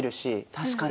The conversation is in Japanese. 確かに。